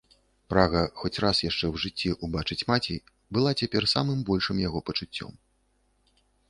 Прага хоць раз яшчэ ў жыцці ўбачыць маці была цяпер самым большым яго пачуццём.